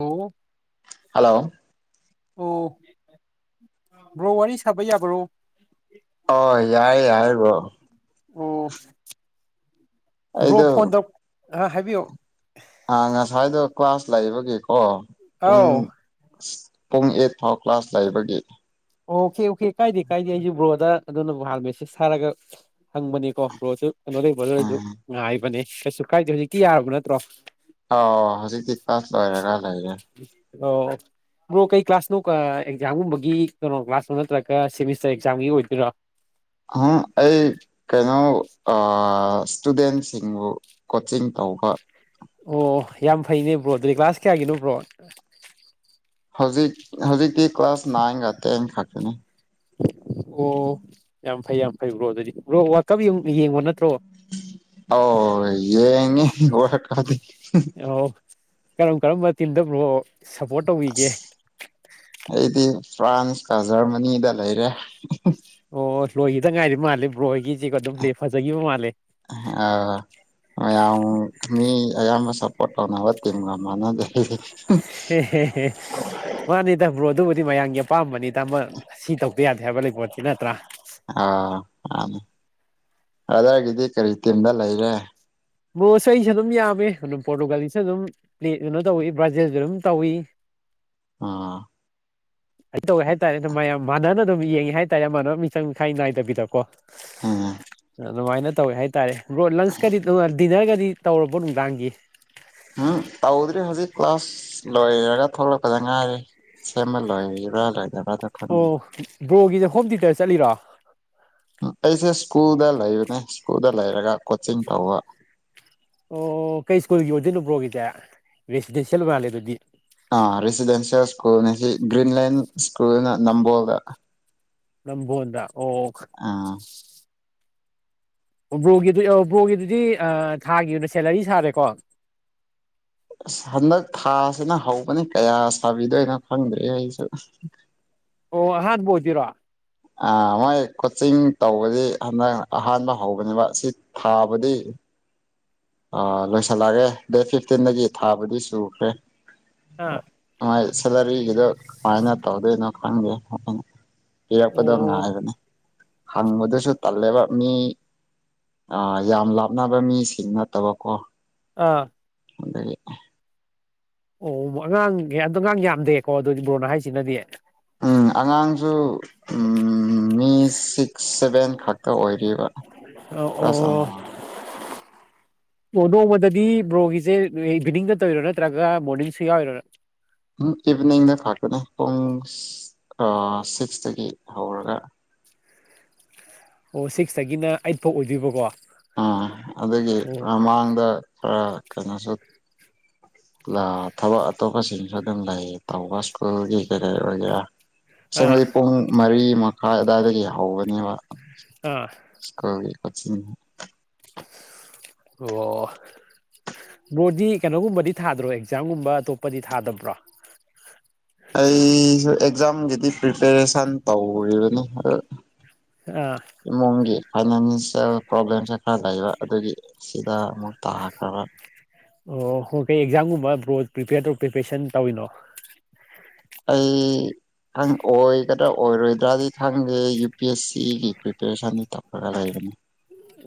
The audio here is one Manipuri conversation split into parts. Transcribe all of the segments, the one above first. ꯑꯣ ꯍꯂꯣ ꯑꯣ ꯕ꯭ꯔꯣ ꯋꯥꯔꯤ ꯁꯥꯕ ꯌꯥꯕ꯭ꯔꯣ ꯑꯣ ꯌꯥꯏ ꯌꯥꯏꯌꯦ ꯕꯣ ꯑꯣ ꯕꯔꯣ ꯑꯩꯗꯣ ꯐꯣꯟ ꯇꯧ ꯑ ꯍꯥꯏꯕꯤꯌꯣ ꯑ ꯉꯁꯥꯏꯗꯣ ꯀ꯭ꯂꯥꯁ ꯂꯩꯕꯒꯤꯀꯣ ꯄꯨꯡ ꯑꯥꯎ ꯄꯨꯡ ꯑꯦꯠ ꯐꯥꯎ ꯀ꯭ꯂꯥꯁ ꯂꯩꯕꯒꯤ ꯑꯣ ꯑꯣꯀꯦ ꯑꯣꯀꯦ ꯀꯥꯏꯗꯦ ꯀꯥꯏꯗꯦ ꯑꯩꯁꯨ ꯕ꯭ꯔꯣꯗ ꯑꯗꯨꯅꯕꯨ ꯍꯥꯟ ꯃꯦꯁꯦꯁ ꯊꯔꯒ ꯍꯪꯕꯅꯦꯀꯣ ꯕ꯭ꯔꯣꯁꯨ ꯀꯩꯅꯣ ꯂꯩꯕ꯭ꯔꯣꯗ ꯂꯩꯁꯨ ꯎꯝ ꯉꯥꯏꯕꯅꯦ ꯀꯩꯁꯨ ꯀꯥꯏꯗꯦ ꯍꯧꯖꯤꯛꯀꯤ ꯌꯥꯔꯕ ꯅꯠꯇ꯭ꯔꯣ ꯑ ꯍꯧꯖꯤꯛꯇꯤ ꯄꯥꯁ ꯂꯣꯏꯔꯦꯒ ꯑꯣ ꯕ꯭ꯔꯣ ꯀꯩ ꯀ꯭ꯂꯥꯁꯅꯣ ꯑꯦꯛꯖꯥꯝꯒꯨꯝꯕꯒꯤ ꯀꯩꯅꯣ ꯀ꯭ꯂꯥꯁꯅꯣ ꯅꯠꯇ꯭ꯔꯒ ꯁꯦꯃꯤꯁꯇꯔ ꯑꯦꯛꯖꯥꯝꯒꯤ ꯑꯣꯏꯗꯣꯏꯔꯣ ꯑ ꯑꯩ ꯀꯩꯅꯣ ꯑꯥ ꯏꯁꯇꯨꯗꯦꯟꯁꯤꯡꯕꯨ ꯀꯣꯆꯤꯡ ꯇꯧꯕ ꯑꯣ ꯌꯥꯝ ꯐꯩꯅꯦꯕ꯭ꯔꯣ ꯑꯗꯨꯗꯤ ꯀ꯭ꯂꯥꯁ ꯀꯌꯥꯒꯤꯅꯣꯕ꯭ꯔꯣ ꯍꯧꯖꯤꯛ ꯍꯧꯖꯤꯛꯇꯤ ꯀ꯭ꯂꯥꯁ ꯅꯥꯏꯟꯒ ꯇꯦꯟ ꯈꯛꯇꯅꯤ ꯑꯣ ꯌꯥꯝ ꯐꯩ ꯌꯥꯝ ꯐꯩ ꯕ꯭ꯔꯣ ꯑꯗꯨꯗꯤ ꯕ꯭ꯔꯣ ꯋꯥꯀꯞ ꯌꯦꯡꯕꯣ ꯅꯠꯇ꯭ꯔꯣ ꯑꯣ ꯌꯦꯉꯦ [unintelligible] ꯑ ꯀꯔꯝ ꯀꯔꯝꯕ ꯇꯤꯝꯗ ꯕꯔꫭ ꯁꯞꯄꯣꯔꯠ ꯇꯧꯕꯤꯒꯦ ꯑꯁ ꯑꯩꯗꯤ ꯐ꯭ꯔꯥꯟꯁꯀ ꯖꯔꯃꯅꯤꯗ ꯂꯩꯔꯦ ꯑꯣ ꯑꯣ ꯂꯣꯏꯈꯤꯗ ꯉꯥꯏꯔꯤ ꯃꯥꯜꯂꯦ ꯕ꯭ꯔꯣꯏꯒꯤꯁꯤꯒ ꯑꯗꯨꯝ ꯂ ꯐꯖꯈꯤꯕ ꯃꯥꯜꯂꯦ ꯑꯥ ꯃꯌꯥꯝ ꯃꯤ ꯑꯌꯥꯝꯕ ꯁꯞꯄꯣꯔꯠ ꯇꯧꯅꯕ ꯇꯤꯝꯒ ꯃꯥꯟꯅꯗꯦ ꯍꯦ ꯍꯦ ꯍꯦ ꯃꯥꯅꯦꯗ ꯕ꯭ꯔꯣ ꯑꯗꯨꯕꯨꯗꯤ ꯃꯌꯥꯝꯒꯤ ꯑꯄꯥꯝꯕꯅꯤ ꯇꯥꯃꯣ ꯁꯤ ꯇꯧꯕ ꯌꯥꯗꯦ ꯍꯥꯏꯕ ꯂꯩꯕꯣꯠꯇ ꯅꯠꯇ꯭ꯔꯥ ꯑꯥ ꯑꯅꯤ ꯕꯔꯗꯔ ꯒꯤꯗꯤ ꯀꯔꯤ ꯇꯤꯝꯗ ꯂꯩꯔꯦ ꯕꯣꯁ ꯑꯩꯁꯨ ꯑꯗꯨꯝ ꯌꯥꯝꯃꯦ ꯑꯗꯨꯝ ꯄꯣꯔꯇꯨꯒꯥꯂꯤꯁꯨ ꯑꯗꯨꯝ ꯄ ꯀꯩꯅꯣ ꯇꯧꯏꯤ ꯕ꯭ꯔꯥꯖꯤꯜꯁꯨ ꯑꯗꯨꯝ ꯇꯧꯏ ꯑ ꯑꯩ ꯇꯧꯋꯦ ꯍꯥꯏꯇꯥꯔꯦ ꯃꯌꯥꯝ ꯃꯥꯟꯅꯅ ꯑꯗꯨꯝ ꯌꯦꯡꯉꯤ ꯍꯥꯏꯇꯥꯔꯦ ꯃꯥꯟꯅꯕ ꯃꯤꯆꯪ ꯃꯤꯈꯥꯏ ꯅꯥꯏꯗꯕꯤꯗꯀꯣ ꯎꯝ ꯑꯗꯨꯃꯥꯏꯅ ꯇꯧꯋꯦ ꯍꯥꯏꯇꯥꯔꯦ ꯕꯔꯣ ꯂꯟꯁꯀꯗꯤ ꯗꯤꯅꯔꯒꯗꯤ ꯇꯧꯔꯕꯣ ꯅꯨꯡꯗꯥꯡꯒꯤ ꯎꯝ ꯇꯧꯗ꯭ꯔꯤ ꯍꯧꯖꯤꯛ ꯀ꯭ꯂꯥꯁ ꯂꯣꯏꯔꯒ ꯊꯣꯛꯂꯛꯄꯗ ꯉꯥꯏꯔꯦ ꯁꯃꯜ ꯂꯣꯏꯔꯤꯔꯥ ꯂꯣꯏꯗꯕꯔꯗꯣ ꯑꯣ ꯕ꯭ꯔꯣꯒꯤꯗ ꯍꯣꯝ ꯊꯤꯌꯦꯇꯔ ꯆꯠꯂꯤꯔꯣ ꯎ ꯑꯩꯁꯦ ꯁ꯭ꯀꯨꯜꯗ ꯂꯩꯕꯅꯦ ꯁ꯭ꯀꯨꯜꯗ ꯂꯩꯔꯒ ꯀꯣꯆꯤꯡ ꯇꯧꯕ ꯑꯣ ꯀꯩ ꯁ꯭ꯀꯨꯜꯒꯤ ꯑꯣꯏꯗꯣꯏꯅꯣꯕ꯭ꯔꯣꯒꯤꯗꯤ ꯔꯦꯁꯤꯗꯦꯟꯁꯤꯌꯦꯜ ꯑꯣꯏ ꯃꯥꯜꯂꯦ ꯑꯗꯨꯗꯤ ꯑꯥ ꯔꯦꯁꯤꯗꯦꯟꯁꯤꯌꯦꯜ ꯁ꯭ꯀꯨꯜꯅꯤ ꯁꯤ ꯒ꯭ꯔꯤꯟꯂꯦꯟ ꯁ꯭ꯀꯨꯜꯅ ꯅꯝꯕꯣꯜꯗ ꯅꯕꫭꯜꯗ ꯑꯥ ꯑꯣꯕ꯭ꯔꯣꯒꯤꯗꯨ ꯑꯣꯕ꯭ꯔꯣꯒꯤꯗꯨꯗꯤ ꯊꯥꯒꯤ ꯑꯣꯏꯅ ꯁꯦꯂꯔꯤ ꯁꯥꯔꯦꯀꯣ ꯑꯁ ꯍꯟꯗꯛ ꯊꯥꯁꯤꯅ ꯍꯧꯕꯅꯤ ꯀꯌꯥ ꯁꯥꯕꯤꯗꯣꯏꯅꯣ ꯈꯪꯗ꯭ꯔꯦ ꯑꯩꯁꯨ ꯑꯣ ꯍꯥꯕ ꯑꯣꯏꯗꯣꯏꯔꯣ ꯑ ꯃꯣꯏ ꯀꯣꯆꯤꯡ ꯇꯧꯕꯗꯤ ꯍꯟꯗꯛ ꯑꯍꯥꯟꯕ ꯍꯧꯕꯅꯦꯕ ꯁꯤ ꯊꯥꯕꯗꯤ ꯑ ꯂꯣꯏꯁꯤꯜꯂꯛꯑꯒꯦ ꯗꯦꯠ ꯐꯤꯐꯇꯤꯟꯗꯒꯤ ꯊꯥꯕꯗꯤ ꯆꯨꯈ꯭ꯔꯦ ꯑꯥ ꯃꯥꯏ ꯁꯦꯂꯔꯤꯒꯤꯗꯣ ꯀꯃꯥꯏꯅ ꯇꯧꯗꯣꯏꯅꯣ ꯈꯪꯗꯦ ꯄꯤꯔꯛꯄꯗꯣ ꯑꯣ ꯉꯥꯏꯕꯅꯤ ꯍꯪꯕꯗꯨꯁꯨ ꯇꯜꯂꯦꯕ ꯃꯤ ꯑꯥ ꯌꯥꯝ ꯂꯥꯞꯅꯕ ꯃꯤꯁꯤꯡ ꯅꯠꯇꯕꯀꯣ ꯑꯥ ꯍꯗꯒꯤ ꯑꯣ ꯑꯉꯥꯡ ꯑꯣ ꯑꯉꯥꯡ ꯌꯥꯝꯗꯦꯀꯣ ꯑꯗꯨꯗꯤ ꯕ꯭ꯔꯣꯅꯥ ꯍꯥꯏꯁꯤꯅꯗꯤ ꯎꯝ ꯑꯉꯥꯡꯁꯨ ꯎꯝ ꯃꯤ ꯁꯤꯛꯁ ꯁꯚꯦꯟ ꯈꯛꯇ ꯑꯣꯏꯔꯤꯕ ꯀ꯭ꯂꯥꯁ ꯑꯣ ꯑꯃꯃꯝꯒꯤ ꯑꯣ ꯅꯣꯡꯃꯗꯗꯤ ꯕ꯭ꯔꯣꯒꯤꯁꯦ ꯏꯚꯤꯅꯤꯡꯗ ꯇꯧꯔꯤꯔꯥ ꯅꯠꯇ꯭ꯔꯒ ꯃꯣꯔꯅꯤꯡꯁꯨ ꯌꯥꯎꯔꯤꯔꯥ ꯎ ꯏꯚꯤꯅꯤꯡꯗ ꯐꯥꯛꯇꯅꯦ ꯄꯨꯡ ꯑꯥ ꯁꯤꯛꯁꯇꯒꯤ ꯍꯧꯔꯒ ꯑꯣ ꯁꯤꯛꯁꯇꯒꯤꯅ ꯑꯩꯠ ꯐꯥꯎ ꯑꯣꯏꯗꯣꯏꯕꯀꯣ ꯑꯥ ꯑꯗꯨꯒꯤ ꯃꯃꯥꯡꯗ ꯈꯔ ꯀꯩꯅꯣꯁꯨ ꯂꯥ ꯊꯕꯛ ꯑꯇꯣꯞꯄꯁꯤꯡꯁꯨ ꯑꯗꯨꯝ ꯂꯩꯌꯦ ꯇꯧꯕ ꯁ꯭ꯀꯨꯜꯒꯤ ꯀꯩꯀꯩ ꯑꯣꯏꯒꯦꯔꯥ ꯑꯥ ꯑꯦꯡꯕꯗꯤ ꯄꯨꯡ ꯃꯔꯤ ꯃꯈꯥꯏ ꯑꯗꯨꯋꯥꯏꯗꯒꯤ ꯍꯧꯕꯅꯦꯕ ꯑꯥ [unintelligible] ꯑꯣ ꯕꯣꯗꯤ ꯀꯩꯅꯣꯒꯨꯝꯕꯗꯤ ꯊꯥꯗ꯭ꯔꯣ ꯑꯦꯛꯖꯥꯝꯒꯨꯝꯕ ꯑꯇꯣꯞꯄꯗꯤ ꯊꯥꯗꯕ꯭ꯔꯣ ꯑꯩꯁꯨ ꯑꯦꯛꯖꯥꯝꯒꯤꯗꯤ ꯄ꯭ꯔꯤꯄꯦꯔꯦꯁꯟ ꯇꯧꯔꯤꯕꯅꯤ ꯑ ꯑꯥ ꯏꯃꯨꯡꯒꯤ ꯐꯥꯏꯅꯥꯟꯁꯤꯌꯦꯜ ꯄ꯭ꯔꯣꯕ꯭ꯂꯦꯝꯁꯦ ꯈꯔ ꯂꯩꯕ ꯑꯗꯨꯒꯤ ꯁꯤꯗ ꯑꯃꯨꯛ ꯇꯥꯈ꯭ꯔꯕ ꯑꯣ ꯍꯣꯏ ꯀꯩ ꯑꯦꯛꯖꯥꯝꯒꯨꯝꯕ ꯕ꯭ꯔꯣ ꯄꯔꯤꯄꯤꯔ ꯇ ꯄ꯭ꯔꯤꯄꯦꯔꯦꯁꯟ ꯇꯧꯔꯤꯅꯣ ꯑꯩ ꯑꯣꯏꯒꯗ꯭ꯔꯥ ꯑꯣꯏꯔꯣꯏꯗ꯭ꯔꯗꯤ ꯈꯪꯗꯦ ꯌꯨ ꯄꯤ ꯑꯦꯁ ꯁꯤꯒꯤ ꯄ꯭ꯔꯤꯄꯦꯔꯦꯁꯟꯗꯤ ꯇꯧꯔꯒ ꯂꯩꯕꯅꯤ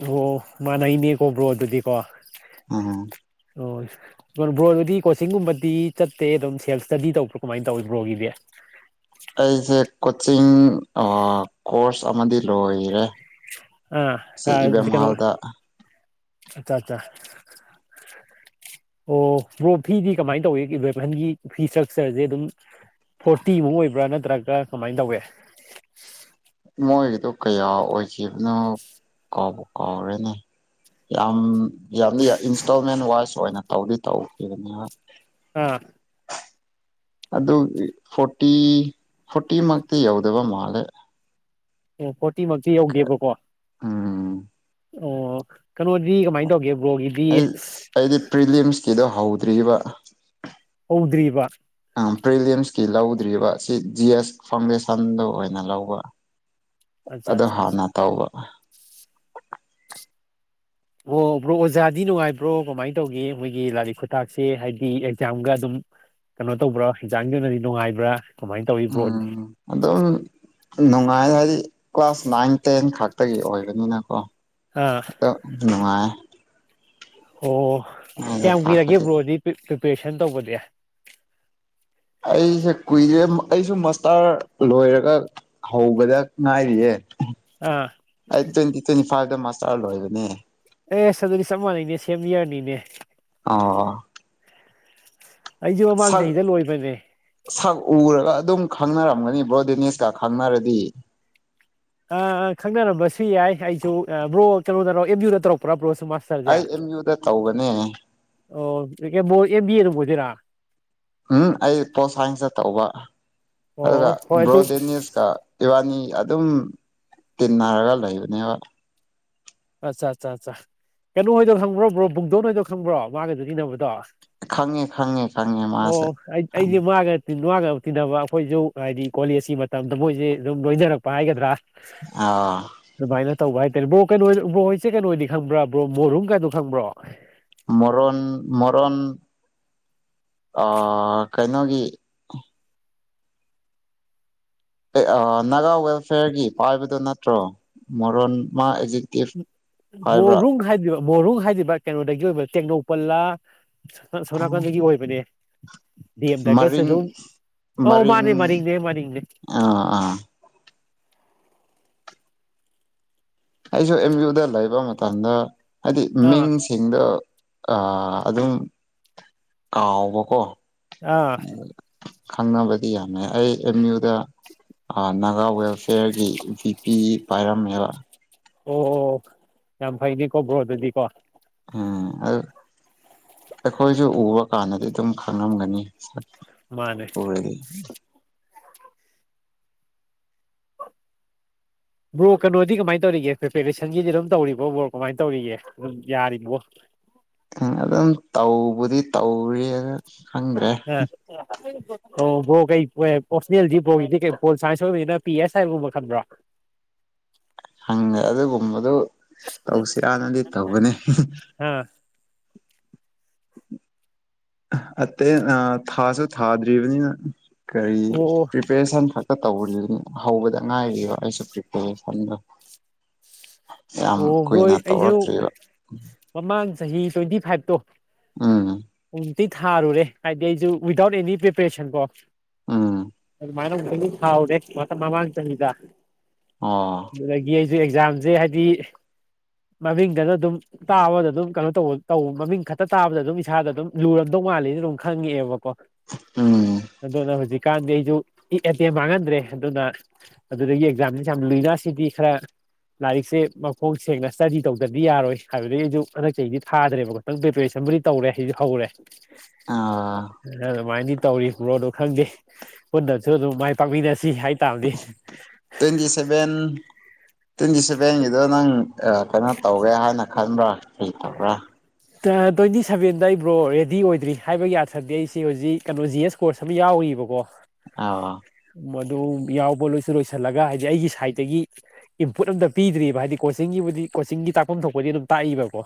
ꯑꯣ ꯃꯥꯟꯅꯩꯅꯦ ꯀꯣ ꯕ꯭ꯔꯣ ꯑꯗꯨꯗꯤꯀꯣ ꯎꯝ ꯑꯣ ꯕ꯭ꯔꯣ ꯑꯗꯨꯗꯤ ꯀꯣꯆꯤꯡꯒꯨꯝꯕꯗꯤ ꯆꯠꯇꯦ ꯑꯗꯨꯝ ꯁꯦꯜ ꯏꯁꯇꯗꯤ ꯇꯧꯕ꯭ꯔꯥ ꯀꯃꯥꯏꯅ ꯇꯧꯋꯤ ꯕ꯭ꯔꯣꯒꯤꯗꯤ ꯑꯩꯁꯦ ꯀꯣꯆꯤꯡ ꯀꯣꯔꯁ ꯑꯃꯗꯤ ꯂꯣꯏꯔꯦ ꯑ ꯁꯤ ꯀꯥꯢ ꯏꯕꯦꯝ ꯑꯆꯥ ꯍꯜꯗ ꯑꯆꯥ ꯑꯣ ꯕ꯭ꯔꯣ ꯐꯤꯗꯤ ꯀꯃꯥꯏꯅ ꯇꯧꯋꯤ ꯏꯚꯦꯝꯍꯜꯒꯤ ꯐꯤ ꯏꯁꯇ꯭ꯔꯛꯆ꯭ꯔꯁꯦ ꯑꯗꯨꯝ ꯐꯣꯔꯇꯤꯃꯨꯛ ꯑꯣꯏꯕ꯭ꯔꯥ ꯅꯠꯇ꯭ꯔꯒ ꯀꯃꯥꯏꯅ ꯇꯧꯋꯦ ꯃꯣꯏꯒꯤꯗꯣ ꯀꯌꯥ ꯑꯣꯏꯈꯤꯕꯅꯣ ꯀꯥꯎꯕꯨ ꯀꯥꯎꯔꯦꯅꯦ ꯌꯥꯝ ꯌꯥꯝꯗꯤ ꯏꯟꯁꯇꯣꯜꯃꯦꯟ ꯋꯥꯏꯁ ꯑꯣꯏꯅ ꯇꯧꯗꯤ ꯇꯧꯈꯤꯕꯅꯦꯕ ꯑꯥ ꯑꯗꯨꯒꯤ ꯐꯣꯔꯇꯤ ꯐꯣꯔꯇꯤ ꯃꯛꯇꯤ ꯌꯧꯗꯕ ꯃꯥꯜꯂꯦ ꯑꯣ ꯐꯣꯔꯇꯤꯃꯛꯇꯤ ꯌꯧꯗꯦꯕꯀꯣ ꯑꯣ ꯎꯝ ꯀꯩꯅꯣꯗꯤ ꯀꯃꯥꯏꯅ ꯇꯧꯒꯦ ꯕ꯭ꯔꯣꯒꯤ ꯑꯩ ꯑꯩꯗꯤ ꯄ꯭ꯔꯤꯂꯤꯌꯝꯁꯀꯤꯗꯣ ꯍꯧꯗ꯭ꯔꯤꯕ ꯍꯧꯗ꯭ꯔꯤꯕ ꯑꯪ ꯄ꯭ꯔꯤꯂꯤꯌꯝꯁꯀꯤ ꯂꯧꯗ꯭ꯔꯤꯕ ꯁꯤ ꯖꯤ ꯑꯦꯁ ꯐꯥꯎꯟꯗꯦꯁꯟꯗꯣ ꯑꯣꯏꯅ ꯂꯧꯕ ꯑꯠꯆꯥ ꯑꯗꯣ ꯑꯠꯆꯥ ꯑꯠꯆꯥ ꯍꯥꯟꯅ ꯇꯧꯕ ꯑꯣ ꯕ꯭ꯔꯣ ꯑꯣꯖꯥꯗꯤ ꯅꯨꯡꯉꯥꯏꯕ꯭ꯔꯣ ꯀꯃꯥꯏꯅ ꯇꯧꯒꯦ ꯃꯈꯣꯏꯒꯤ ꯂꯥꯏꯔꯤꯛ ꯈꯨꯊꯥꯛꯁꯦ ꯍꯥꯏꯕꯗꯤ ꯑꯦꯛꯖꯥꯝꯒ ꯑꯗꯨꯝ ꯀꯩꯅꯣ ꯇꯧꯕ꯭ꯔꯥ ꯛꯦꯛꯖꯥꯝꯒꯤ ꯑꯣꯏꯅꯗꯤ ꯅꯨꯡꯉꯥꯏꯕ꯭ꯔꯥ ꯀꯃꯥꯏꯅ ꯇꯧꯋꯤ ꯕ꯭ꯔꯣꯗꯤ ꯎꯝ ꯑꯗꯨꯝ ꯅꯨꯡꯉꯥꯏ ꯍꯥꯏꯗꯤ ꯀ꯭ꯂꯥꯁ ꯅꯥꯏꯟ ꯇꯦꯟ ꯈꯛꯇꯒꯤ ꯑꯣꯏꯕꯅꯤꯅꯀꯣ ꯑꯥ ꯑꯗꯣ ꯅꯨꯡꯉꯥꯏ ꯑꯣ ꯑꯗ ꯀꯌꯥꯝ ꯀꯨꯏꯔꯒꯦ ꯇꯥꯛꯄꯗꯤ ꯕ꯭ꯔꯣꯗꯤ ꯄ꯭ꯔꯤꯄꯦꯔꯦꯁꯟ ꯇꯧꯕꯗꯤ ꯑꯩꯁꯦ ꯀꯨꯏꯔꯦ ꯑꯩꯁꯨ ꯃꯁꯇꯥꯔ ꯂꯣꯏꯔꯒ ꯍꯧꯕꯗ ꯉꯥꯏꯔꯤꯌꯦ ꯑꯥ ꯑꯩ ꯇ꯭ꯋꯦꯟꯇꯤ ꯇ꯭ꯋꯦꯟꯇꯤ ꯐꯥꯏꯚꯇ ꯃꯥꯁꯇꯥꯔ ꯂꯣꯏꯕꯅꯦ ꯑꯦꯁ ꯑꯗꯨꯗꯤ ꯆꯞ ꯃꯥꯟꯅꯩꯅꯦ ꯁꯦꯝ ꯌꯔꯅꯤꯅꯦ ꯑꯣ ꯑꯩꯖꯨ ꯃꯃꯥꯡ ꯁꯛ ꯆꯍꯤꯗ ꯂꯣꯏꯕꯅꯦ ꯁꯛ ꯎꯔꯒ ꯑꯗꯨꯝ ꯈꯪꯅꯔꯝꯒꯅꯤ ꯕ꯭ꯔꯣ ꯗꯦꯅꯦꯁꯀ ꯈꯪꯅꯔꯗꯤ ꯑ ꯑ ꯈꯪꯅꯔꯝꯕꯁꯨ ꯌꯥꯏ ꯑꯩꯁꯨ ꯕ꯭ꯔꯣ ꯀꯩꯅꯣꯗꯔꯣ ꯑꯦꯝ ꯌꯨꯗ ꯇꯧꯔꯛꯄ꯭ꯔꯥ ꯕ꯭ꯔꯣꯁꯨ ꯃꯥꯁ ꯑꯩ ꯑꯦꯝ ꯌꯨꯗ ꯇꯧꯕꯅꯦ ꯑꯣ ꯕ꯭ꯔꯣ ꯑꯦꯝ ꯕꯤ ꯑꯦ ꯑꯗꯨꯝ ꯑꯣꯏꯗꯣꯏꯔꯥ ꯎꯝ ꯑꯩ ꯄꯣꯠ ꯁꯥꯏꯟꯁꯇ ꯇꯧꯕ ꯑꯗꯨꯒ ꯑꯣ ꯍꯣꯏ ꯕ꯭ꯔꯣ ꯑꯗꯨ ꯗꯦꯅꯤꯁꯀ ꯏꯕꯥꯅꯤ ꯑꯗꯨꯝ ꯇꯤꯟꯅꯔꯒ ꯂꯩꯕꯅꯦꯕ ꯑꯠꯆꯥ ꯑꯠꯆꯥ ꯑꯠꯆꯥ ꯀꯩꯅꯣ ꯍꯣꯏꯗꯣ ꯈꯪꯕ꯭ꯔꯣ ꯕ꯭ꯔꯣ ꯕꯨꯡꯗꯣꯟ ꯍꯣꯏꯗꯣ ꯈꯪꯕ꯭ꯔꯣ ꯃꯥꯒꯁꯨ ꯇꯤꯟꯅꯕꯗꯣ ꯑꯣ ꯈꯪꯉꯦ ꯈꯪꯉꯦ ꯈꯪꯉꯦ ꯃꯥꯁꯦ ꯑꯩ ꯈꯪꯉꯦ ꯑꯩꯗꯤ ꯃꯥꯒ ꯅꯨꯡ ꯋꯥꯔꯒ ꯇꯤꯟꯅꯕ ꯑꯩꯈꯣꯏꯁꯨ ꯍꯥꯏꯗꯤ ꯀꯣꯂꯦꯖꯀꯤ ꯃꯇꯝꯗ ꯃꯣꯏꯁꯦ ꯑꯗꯨꯝ ꯂꯣꯏꯖꯔꯛꯄ ꯍꯥꯏꯒꯗ꯭ꯔꯥ ꯑꯥ ꯑꯗꯨꯃꯥꯏꯅ ꯇꯧꯕ ꯍꯥꯏꯇꯥꯔꯦ ꯕ꯭ꯔꯣ ꯀꯩꯅꯣ ꯕ꯭ꯔꯣ ꯍꯣꯏꯁꯦ ꯀꯩꯅꯣꯗꯤ ꯈꯪꯕ꯭ꯔꯥ ꯕ꯭ꯔꯣ ꯕꯣꯔꯨꯝ ꯀꯥꯏꯅ ꯈꯪꯕ꯭ꯔꯣ ꯃꯣꯔꯣꯟ ꯃꯣꯔꯣꯟ ꯑ ꯀꯩꯅꯣꯒꯤ ꯑꯥ ꯅꯥꯒꯥ ꯋꯦꯜꯐꯤꯌꯔꯒꯤ ꯄꯥꯏꯕꯗꯨ ꯅꯠꯇ꯭ꯔꯣ ꯃꯣꯔꯣꯟ ꯃꯥ ꯑꯦ ꯃꯣꯔꯨꯡ ꯍꯥꯏꯗꯨꯢꯕ ꯃꯣꯔꯨꯡ ꯍꯥꯏꯗꯨꯢꯕ ꯀꯩꯅꯣꯗꯒꯤ ꯑꯣꯏꯕ ꯇꯦꯡꯅꯧꯄꯜꯂꯥ ꯑꯁꯣꯝꯅꯀꯥꯟꯗꯒꯤ ꯑꯣꯏꯕꯅꯦ ꯗꯤ ꯑꯦꯝꯗꯒꯁꯨ ꯃꯔꯤꯡ ꯑꯗꯨꯝ ꯑꯧ ꯃꯔꯤꯡ ꯃꯥꯅꯦ ꯃꯅꯤꯡꯅꯦ ꯃꯅꯤꯡꯅꯦ ꯑꯥ ꯑꯥ ꯑꯩꯁꯨ ꯑꯦꯝ ꯌꯨꯗ ꯂꯩꯕ ꯃꯇꯝꯗ ꯍꯥꯏꯗꯤ ꯃꯤꯡ ꯑꯥ ꯁꯤꯡꯗ ꯑꯥ ꯑꯗꯨꯝ ꯀꯥꯎꯕꯀꯣ ꯑꯥ ꯈꯪꯅꯕꯗꯤ ꯌꯥꯝꯃꯦ ꯑꯩ ꯑꯦꯝ ꯌꯨꯗ ꯅꯥꯒꯥ ꯋꯦꯜꯐꯤꯌꯔꯒꯤ ꯄꯤ ꯄꯥꯏꯔꯝꯃꯦꯔ ꯑꯣ ꯌꯥꯝ ꯐꯩꯅꯤꯀꯣ ꯕ꯭ꯔꯣꯗꯨꯗꯤꯀꯣ ꯎꯝ ꯑꯗꯨ ꯑꯩꯈꯣꯏꯁꯨ ꯎꯕ ꯀꯥꯟꯗꯗꯤ ꯑꯗꯨꯝ ꯈꯪꯉꯝꯒꯅꯤ ꯃꯥꯅꯦ ꯎꯔꯗꯤ ꯕ꯭ꯔꯣ ꯀꯩꯅꯣꯗꯤ ꯀꯃꯥꯏꯅ ꯇꯧꯔꯤꯒꯦ ꯄ꯭ꯔꯤꯄꯦꯔꯦꯁꯟꯒꯤꯗꯤ ꯑꯗꯨꯝ ꯇꯧꯔꯤꯕꯣ ꯕ꯭ꯔꯣ ꯀꯃꯥꯏꯅ ꯇꯧꯔꯤꯒꯦ ꯑꯗꯨ ꯌꯥꯔꯤꯕꯣ ꯎꯝ ꯑꯗꯨꯝ ꯇꯧꯕꯗꯤ ꯇꯧꯔꯤꯅ ꯈꯪꯗ꯭ꯔꯦ ꯑ ꯑꯣ ꯕꯔꯣ ꯀꯩ ꯄꯣꯁꯅꯦꯜꯗꯤꯕ ꯄꯣ ꯁꯥꯏꯟꯁ ꯑꯣꯏꯕꯅꯤꯅ ꯄꯤ ꯑꯦꯁ ꯍꯥꯏꯕꯒꯨꯝꯕ ꯈꯟꯕ꯭ꯔꯥ [inaudible] ꯍꯪꯉꯦ ꯑꯗꯨꯒꯨꯝꯕꯗꯨ ꯇꯧꯁꯤꯇꯥ ꯅꯗꯤ ꯇꯧꯒꯅꯤ ꯑꯥ ꯑꯇꯩ ꯊꯥꯁꯨ ꯊꯥꯗ꯭ꯔꯤꯕꯅꯤꯅ ꯀꯔꯤ ꯑꯣ ꯑꯣ ꯄ꯭ꯔꯤꯄꯦꯔꯦꯁꯟ ꯇꯧꯔꯤ ꯍꯧꯕꯗ ꯉꯥꯏꯔꯤꯕꯔꯤꯕ ꯑꯩꯁꯨ ꯄꯔꯤꯄꯔꯦꯁꯟꯗ ꯌꯥꯝ ꯑꯣ ꯕ꯭ꯔꯣ ꯀꯨꯏꯅ ꯑꯩꯁꯨ ꯇꯧꯔꯛꯇ꯭ꯔꯤꯕ ꯃꯃꯥꯡ ꯆꯍꯤ ꯇ꯭ꯋꯦꯟꯇꯤ ꯐꯥꯏꯚꯇꯣ ꯑꯝ ꯎꯇꯤ ꯊꯥꯔꯨꯔꯦ ꯍꯥꯏꯗꯤ ꯑꯩꯁꯨ ꯋꯤꯗꯥꯎꯠ ꯑꯦꯅꯤ ꯄ꯭ꯔꯤꯄꯦꯔꯦꯁꯟ ꯀꯣ ꯎꯝ ꯃꯥꯏꯅ ꯊꯥꯎꯗꯦ ꯃꯇꯝ ꯃꯃꯥꯡ ꯆꯍꯤꯗ ꯑꯣ ꯑꯗꯨꯒꯤ ꯑꯩꯁꯨ ꯑꯦꯛꯖꯥꯝꯁꯦ ꯍꯥꯏꯗꯤ ꯃꯃꯤꯡꯗꯅ ꯑꯗꯨꯝ ꯇꯥꯎꯋꯥꯗ ꯑꯗꯨ ꯀꯩꯅꯣ ꯇꯧ ꯇꯧ ꯃꯃꯤꯡ ꯈꯛꯇ ꯇꯥꯕꯗ ꯑꯗꯨꯝ ꯏꯁꯥꯗ ꯑꯗꯨꯝ ꯂꯨꯔꯝꯗꯧ ꯃꯥꯜꯂꯤꯅ ꯑꯗꯨꯝ ꯈꯪꯉꯛꯑꯦꯕꯀꯣ ꯎꯝ ꯑꯗꯨꯅ ꯍꯧꯖꯤꯛꯀꯥꯟꯗꯤ ꯑꯩꯁꯨ ꯏ ꯑꯦꯇꯦꯝ ꯃꯥꯡꯍꯟꯗ꯭ꯔꯦ ꯑꯗꯨꯅ ꯑꯗꯨꯗꯒꯤ ꯑꯦꯛꯖꯥꯝꯁꯤ ꯌꯥꯝ ꯂꯨꯅꯁꯤꯗꯤ ꯈꯔ ꯂꯥꯏꯔꯤꯛꯁꯦ ꯍꯣꯡ ꯁꯦꯡꯅ ꯁ꯭ꯇꯗꯤ ꯇꯧꯗꯗꯤ ꯌꯥꯔꯣꯏ ꯍꯥꯏꯕꯗꯒꯤ ꯑꯩꯁꯨ ꯍꯟꯛꯗꯤ ꯊꯥꯗ꯭ꯔꯦꯕ ꯈꯇꯪ ꯄ꯭ꯔꯤꯄꯦꯔꯦꯁꯟꯕꯨꯗꯤ ꯇꯧꯔꯦ ꯁꯤꯁꯨ ꯍꯧꯔꯦ ꯑꯥ [unintelligible] ꯑꯗꯨꯃꯥꯏꯅꯗꯤ ꯇꯧꯔꯤ ꯕꯔꯣꯗ ꯈꯪꯗꯦ ꯄꯨꯟꯅꯁꯨ ꯑꯗꯨꯝ ꯃꯥꯏ ꯄꯥꯛꯃꯤꯟꯅꯁꯤ ꯍꯥꯏ ꯇꯥꯕꯅꯤ ꯇ꯭ꯋꯦꯟꯇꯤ ꯁꯚꯦꯟ ꯇ꯭ꯋꯦꯟꯇꯤ ꯁꯦꯚꯦꯟꯒꯤꯗꯣ ꯅꯪ ꯀꯩꯅꯣ ꯇꯧꯒꯦ ꯍꯥꯏꯅ ꯈꯟꯕ꯭ꯔꯥ ꯀꯔꯤ ꯇꯧꯕ꯭ꯔꯥ ꯇ꯭ꯋꯦꯟꯇꯤ ꯁꯕꯦꯟꯗ ꯑꯩ ꯕ꯭ꯔꯣ ꯔꯦꯗꯤ ꯑꯣꯏꯗ꯭ꯔꯤ ꯍꯥꯏꯕꯒꯤ ꯑꯊꯗꯤ ꯑꯩꯁꯤ ꯍꯧꯖꯤꯛ ꯀꯩꯅꯣ ꯖꯤ ꯑꯦꯁ ꯄꯣꯔꯠꯁ ꯑꯃ ꯌꯥꯎꯏꯕꯀꯣ ꯑꯩ ꯑꯧ ꯃꯗꯨ ꯌꯥꯎꯕ ꯂꯣꯏꯁꯤꯟ ꯂꯣꯏꯁꯤꯜꯂꯒ ꯍꯥꯏꯗꯤ ꯑꯩꯒꯤ ꯁꯥꯏꯠꯇꯒꯤ ꯏꯝꯄꯨꯠ ꯑꯝꯇ ꯄꯤꯗ꯭ꯔꯤꯕ ꯍꯥꯏꯗꯤ ꯀꯣꯆꯤꯡꯒꯤꯕꯨꯗꯤ ꯀꯣꯆꯤꯡꯒꯤ ꯇꯥꯛꯐꯝ ꯊꯣꯛꯄꯗꯤ ꯑꯗꯨꯝ ꯇꯥꯛꯏꯕꯀꯣ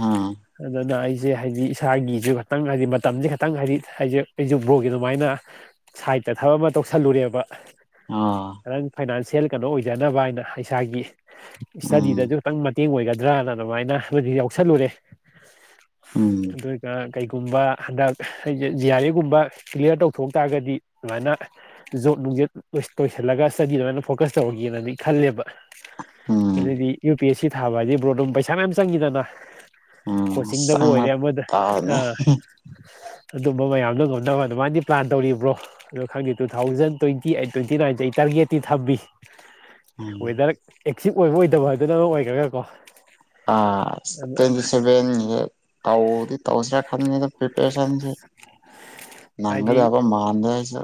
ꯑꯥ ꯑꯗꯨꯅ ꯑꯩꯁꯦ ꯍꯥꯏꯗꯤ ꯏꯁꯥꯒꯤꯁꯨ ꯈꯇꯪ ꯍꯥꯏꯗꯤ ꯃꯇꯝꯁꯦ ꯈꯇꯪ ꯍꯥꯏꯗꯤ ꯍꯥꯏꯁ ꯑꯩꯁꯨ ꯕ꯭ꯔꯣꯒꯤ ꯑꯗꯨꯃꯥꯏꯅ ꯁꯥꯏꯗꯠꯇ ꯊꯕꯛ ꯑꯃ ꯇꯧꯁꯜꯂꯨꯔꯦꯕ ꯑꯥ ꯅꯪ ꯐꯥꯏꯅꯥꯟꯁꯤꯌꯦꯜ ꯀꯩꯅꯣ ꯑꯣꯏꯖꯅꯕ ꯍꯥꯏꯅ ꯏꯁꯥꯒꯤ ꯎꯝ ꯏꯁꯇꯗꯤꯗꯗꯨ ꯈꯤꯇꯪ ꯃꯇꯦꯡ ꯑꯣꯏꯒꯗ꯭ꯔꯅ ꯑꯗꯨꯃꯥꯏꯅ ꯍꯧ ꯌꯥꯎꯁꯜꯂꯨꯔꯦ ꯎꯝ ꯑꯗꯨꯒ ꯀꯩꯒꯨꯝꯕ ꯍꯟꯗꯛ ꯑꯩꯖꯦ ꯖꯤ ꯑꯥꯔ ꯑꯦꯕ ꯒꯨꯝꯕ ꯀ꯭ꯂꯤꯌꯥꯔ ꯇꯧꯊꯣꯛ ꯇꯥꯔꯒꯗꯤ ꯑꯗꯨꯃꯥꯏꯅ ꯫ ꯖꯣꯕ ꯅꯨꯡꯖꯦ ꯂꯣꯏꯁꯤꯜꯂꯒ ꯏꯁꯇꯗꯤꯗ ꯑꯣꯏꯅ ꯐꯣꯀꯁ ꯇꯧꯔꯒꯦꯅꯗꯤ ꯈꯜꯂꯦꯕ ꯫ ꯎꯝ ꯑꯗꯩꯗꯤ ꯌꯨ ꯄꯤ ꯑꯦꯁ ꯁꯤ ꯊꯥꯕ ꯍꯥꯏꯗꯤ ꯕ꯭ꯔꯣ ꯑꯗꯨꯝ ꯄꯩꯁꯥ ꯃꯌꯥꯝ ꯆꯪꯉꯤꯗꯅ ꯎꯝ ꯀꯣꯆꯤꯡꯗꯕꯨ ꯆꯪꯕ ꯑꯣꯏꯔꯦ ꯑꯃꯥꯗ ꯇꯥꯕꯅꯤ ꯑꯥ ꯑꯗꯨꯝꯕ ꯃꯌꯥꯝꯗꯣ ꯉꯝꯅꯕ ꯑꯗꯨꯃꯥꯏꯗꯤ ꯄ꯭ꯂꯥꯟ ꯇꯧꯔꯤ ꯕ꯭ꯔꯣ ꯑꯗꯨ ꯈꯪꯗꯦ two thousand twenty eight twenty ꯅꯥꯏꯟꯖꯦ ꯑꯩ ꯇꯥꯔꯒꯦꯠꯇꯤ ꯊꯝꯃꯤ ꯎꯝ ꯋꯦꯗꯔ ꯑꯦꯆꯤꯚ ꯑꯣꯏꯕ ꯑꯣꯏꯗꯕ ꯍꯥꯏꯗꯨꯅ ꯑꯃꯥ ꯑꯣꯏꯒ꯭ꯔꯒ ꯀꯣ ꯑꯥ ꯇ꯭ꯋꯦꯟꯇꯤ ꯁꯦꯚꯦꯟꯒꯤꯇꯧꯗꯤ ꯇꯧꯁꯤꯔ ꯈꯟꯕꯅꯤꯗ ꯄ꯭ꯔꯤꯄꯔꯦꯁꯟꯁꯦ ꯍꯥꯏꯗꯤ ꯅꯪꯒꯗꯕ ꯃꯥꯟꯗꯦ ꯑꯩꯁꯨ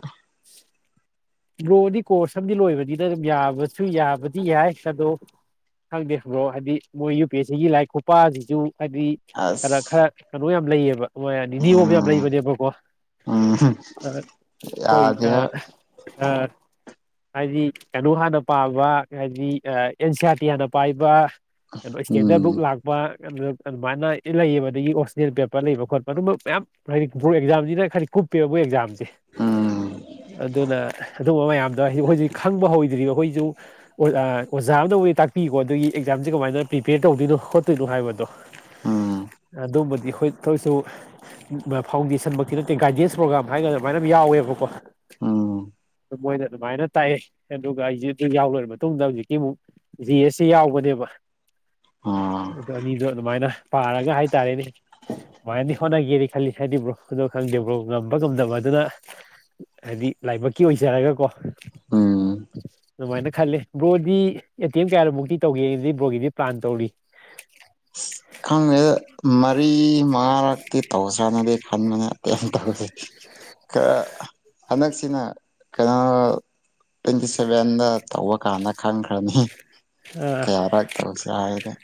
ꯕ꯭ꯔꯣꯗꯤ ꯀꯣꯔꯁ ꯑꯝꯗꯤ ꯂꯣꯏꯕꯅꯤꯅ ꯑꯗꯨꯝ ꯌꯥꯕꯁꯨ ꯌꯥꯕꯗꯤ ꯌꯥꯏ ꯑꯗꯣ ꯈꯪꯗꯦ ꯕ꯭ꯔꯣ ꯍꯥꯏꯗꯤ ꯃꯣꯏ ꯌꯨ ꯄꯤ ꯑꯦꯁ ꯁꯤꯒꯤ ꯂꯥꯏꯔꯤꯛ ꯈꯨꯄꯥꯖꯤꯖꯨ ꯍꯥꯏꯗꯤ ꯈꯔ ꯑꯁ ꯈꯔ ꯀꯅꯣ ꯌꯥꯝ ꯂꯩꯌꯦꯕ ꯍꯣꯏ ꯅꯤꯌꯣꯝ ꯌꯥꯝ ꯎꯝ ꯂꯩꯕꯅꯦꯕꯀꯣ ꯎꯝ ꯑꯩꯈꯣꯢꯅ ꯌꯥꯗꯦꯕ ꯑꯥ ꯍꯥꯏꯗꯤ ꯀꯩꯅꯣ ꯍꯥꯟꯅ ꯄꯥꯕ ꯍꯥꯏꯗꯤ ꯑꯦꯟ ꯁꯤ ꯑꯥꯔ ꯇꯤ ꯍꯥꯟꯅ ꯄꯥꯏꯕ ꯀꯩꯅꯣ ꯏꯁꯇꯦꯟꯗꯔꯕꯨꯛ ꯎꯝ ꯂꯥꯛ ꯄ ꯑꯗꯨꯃꯥꯏꯅ ꯂꯩꯌꯦꯕ ꯑꯗꯒꯤ ꯑꯣꯐꯁꯅꯦꯜ ꯄꯦꯄꯔ ꯂꯩꯕ ꯈꯣꯠꯄ ꯑꯗꯨꯝꯕ ꯃꯌꯥꯝ ꯍꯥꯏꯗꯤ ꯕ꯭ꯔꯣ ꯑꯦꯛꯖꯥꯝꯖꯤꯅ ꯈꯔꯗꯤ ꯀꯨꯞꯄꯦꯕ ꯃꯣꯏ ꯑꯦꯛꯖꯥꯝꯖꯦ ꯎꯝ ꯑꯗꯨꯅ ꯑꯗꯨꯝꯕ ꯃꯌꯥꯝꯗꯣ ꯍꯥꯏ ꯑꯩꯈꯣꯏꯗꯤ ꯈꯪꯕ ꯍꯧꯗ꯭ꯔꯤꯕ ꯑꯩꯈꯣꯏꯖꯨ ꯑꯣ ꯑꯣꯖꯥ ꯑꯝꯅꯕꯨꯗꯤ ꯇꯥꯛꯄꯤꯀꯣ ꯑꯗꯨꯒꯤ ꯑꯦꯛꯖꯥꯝꯖꯦ ꯀꯃꯥꯏꯅ ꯄ꯭ꯔꯤꯄꯦꯌꯔ ꯇꯧꯗꯣꯏꯅꯣ ꯈꯣꯠꯇꯣꯏꯅꯣ ꯍꯥꯏꯕꯗꯣ ꯎꯝ ꯑꯗꯨꯕꯨꯗꯤ ꯑꯩꯈꯣꯏ [unintelligible] ꯁꯨ ꯐꯥꯎꯟꯗꯦꯁꯟꯃꯛꯇꯤ ꯅꯠꯇꯦ ꯒꯥꯏꯗꯦꯟꯁ ꯄ꯭ꯔꯣꯒꯥ꯭ꯔꯝ ꯍꯥꯏꯒꯗ꯭ꯔ ꯑꯗꯨꯃꯥꯏꯅ ꯑꯃꯥ ꯌꯥꯎꯋꯦꯕꯀꯣ ꯎꯝ ꯃꯣꯏꯅ ꯑꯗꯨꯃꯥꯏꯅ ꯇꯥꯛꯑꯦ ꯑꯗꯨꯒ ꯑꯩꯖꯦ ꯑꯗꯨ ꯌꯥꯎ ꯂꯣꯏꯔ ꯃꯇꯨꯡꯗ ꯍꯧꯖꯤꯛꯇꯤ ꯑꯃꯨꯛ ꯖꯤ ꯑꯦꯁ ꯁꯤ ꯌꯥꯎꯕꯅꯦꯕ ꯑꯥ ꯑꯗꯨ ꯑꯅꯤꯗꯣ ꯑꯗꯨꯃꯥꯏꯅ ꯄꯥꯔꯒ ꯍꯥꯏꯇꯥꯔꯦꯅꯦ ꯃꯥꯏꯅꯗꯤ ꯍꯣꯠꯅꯒꯦꯅꯤ ꯈꯜꯂꯤ ꯍꯥꯏꯗꯤ [unintelligible] ꯈꯪꯗꯦ ꯕ꯭ꯔꯣ ꯉꯝꯕ ꯉꯝꯗꯕ ꯑꯗꯨꯅ ꯍꯥꯏꯗꯤ ꯂꯥꯏꯕꯛꯀꯤ ꯑꯣꯏꯖꯔꯒꯀꯣ ꯎꯝ ꯑꯗꯨꯃꯥꯏꯅ ꯈꯜꯂꯤ ꯕ꯭ꯔꯣꯗꯤ ꯑꯦꯇꯦꯝꯇ ꯀꯌꯥꯔꯛꯃꯨꯛꯇꯤ ꯇꯧꯒꯦꯗꯤ ꯕ꯭ꯔꯣꯒꯤꯗꯤ ꯄ꯭ꯂꯥꯟ ꯇꯧꯔꯤ ꯈꯪꯗꯦꯗ ꯃꯔꯤ ꯃꯉꯥꯔꯛꯇꯤ ꯇꯧꯁꯤꯔꯅꯗꯤ ꯈꯟꯕꯅꯦ [unintelligible] ꯈꯔ ꯍꯟꯗꯛꯁꯤꯅ ꯀꯩꯅꯣ ꯇ꯭ꯋꯦꯟꯇꯤ ꯁꯚꯦꯟꯗ ꯇꯧꯕ ꯀꯥꯟꯗ ꯈꯪꯈ꯭ꯔꯅꯤ ꯑꯥ ꯀꯌꯥꯔꯛ ꯇꯧꯁꯤꯔ ꯍꯥꯏꯕꯗꯣ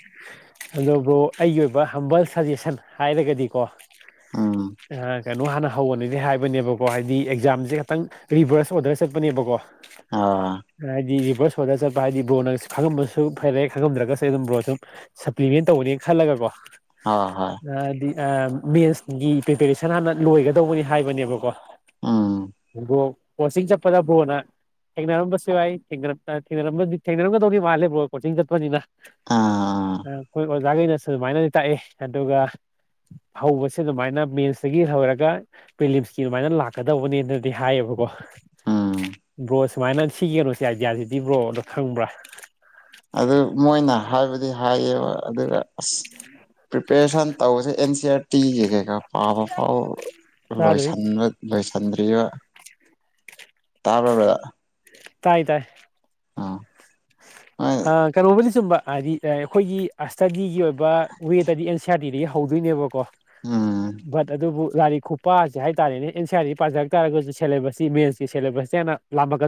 ꯑꯗꯨꯕꯨ ꯑꯩꯒꯤ ꯑꯣꯏꯕ ꯍꯝꯕꯜ ꯁꯖꯦꯁꯟ ꯍꯥꯏꯔꯒꯗꯤꯀꯣ ꯎꯝ ꯑꯥ ꯀꯩꯅꯣ ꯍꯥꯟꯅ ꯍꯧꯕꯅꯤ ꯍꯥꯏꯕꯅꯦꯕꯀꯣ ꯍꯥꯏꯗꯤ ꯑꯦꯛꯖꯥꯝꯁꯦ ꯈꯤꯇꯪ ꯔꯤꯚꯔꯁ ꯑꯣꯔꯗꯔ ꯆꯠꯄꯅꯦꯕꯀꯣ ꯑꯥ ꯍꯥꯏꯗꯤ ꯔꯤꯚꯔꯁ ꯑꯥꯔꯗꯔ ꯆꯠꯄ ꯍꯥꯏꯗꯤ ꯕ꯭ꯔꯣꯅ ꯈꯪꯉꯝꯕꯁꯨ ꯐꯔꯦ ꯈꯪꯉꯝꯗ꯭ꯔꯒꯁꯨ ꯑꯩ ꯑꯗꯨꯝ ꯕ꯭ꯔꯣ ꯁꯨꯝ ꯁꯄ꯭ꯂꯤꯃꯦꯟ ꯇꯧꯕꯅꯦ ꯈꯜꯂꯒꯀꯣ ꯑꯥ ꯍꯣꯏ ꯑ ꯗꯤ ꯑ ꯃꯦꯁꯒꯤ ꯄ꯭ꯔꯤꯄꯦꯔꯦꯁꯟ ꯍꯥꯟꯅ ꯂꯣꯏꯒꯗꯧꯕꯅꯤ ꯍꯥꯏꯕꯅꯦꯕꯀꯣ ꯎꯝ ꯍꯧꯗꯣꯡ ꯀꯣꯆꯤꯡ ꯆꯠꯄꯗ ꯕ꯭ꯔꯣꯅ ꯊꯦꯡꯅꯔꯝꯕꯁꯨ ꯌꯥꯏ ꯊꯦꯡꯅꯔꯛ [unintelligible] ꯊꯦꯡꯅꯔꯝꯒꯗꯧꯗꯤ ꯃꯥꯜꯂꯦ ꯕ꯭ꯔꯣ ꯀꯣꯆꯤꯡ ꯆꯠꯄꯅꯤꯅ ꯑꯥ ꯑꯣꯖꯥꯒꯩꯅꯁꯨ ꯑꯗꯨꯃꯥꯏꯅꯗꯤ ꯇꯥꯛꯑꯦ ꯑꯗꯨꯒ ꯍꯧꯕꯁꯦ ꯑꯗꯨꯃꯥꯏꯅ ꯃꯦꯟꯁꯇꯒꯤ ꯍꯧꯔꯒ ꯄ꯭ꯔꯤꯂꯤꯝꯁꯀꯤ ꯑꯗꯨꯃꯥꯏꯅ ꯂꯥꯛꯀꯗꯧꯕꯅꯦꯅꯗꯤ ꯍꯥꯏꯌꯦꯕꯀꯣ ꯎꯝ ꯕ꯭ꯔꯣ ꯁꯨꯃꯥꯏꯅ ꯁꯤꯒꯤ [unintelligible] ꯁꯤ ꯑꯥꯏꯗꯤꯌꯥꯁꯤꯗꯤ ꯕ꯭ꯔꯣꯅ ꯈꯪꯕ꯭ꯔꯥ ꯑꯗꯨ ꯃꯣꯏꯅ ꯍꯥꯏꯕꯗꯤ ꯍꯥꯏꯌꯦꯕ ꯑꯗꯨꯒ ꯑꯁ ꯄ꯭ꯔꯤꯄꯦꯔꯦꯁꯟ ꯇꯧꯕꯁꯦ ꯑꯦꯟ ꯁꯤ ꯑꯥꯔ ꯇꯤꯒꯤ ꯀꯩꯀꯥ ꯄꯥꯕ ꯐꯥꯎ ꯆꯥꯗ꯭ꯔꯤ ꯂꯣꯏꯁꯟꯕ ꯂꯣꯏꯁꯤꯟꯗ꯭ꯔꯤꯕ ꯇꯥꯕ꯭꯭ꯔ ꯕꯥꯔ ꯇꯥꯏ ꯇꯥꯏ ꯑꯥ ꯑ ꯀꯔꯨꯕꯂꯤ ꯆꯨꯝꯕ ꯑꯔꯤ ꯑꯩꯈꯣꯏꯒꯤ ꯑꯁꯇꯗꯤꯒꯤ ꯑꯣꯏꯕ ꯋꯦꯗꯗꯤ ꯑꯦꯟ ꯁꯤ ꯑꯥꯔ ꯗꯤꯗꯒꯤ ꯍꯧꯗꯣꯏꯅꯦꯕꯀꯣ ꯎꯝ ꯕꯠ ꯑꯗꯨ ꯂꯔꯤ ꯈ ꯄꯥꯁꯦ ꯍꯥꯏꯇꯥꯔꯦꯅꯦ ꯑꯦꯟ ꯁꯤ ꯑ ꯄꯥꯔꯛꯥꯔꯒꯁꯨ ꯁꯦꯂꯦꯕꯁꯁꯤꯃꯦꯟꯁꯀꯤ ꯁꯦꯕꯁ [unintelligible]